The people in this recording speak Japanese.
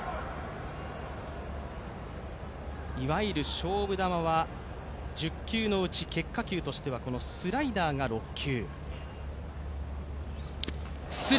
いわゆる勝負球は１０球のうち結果球としてはスライダーが６球。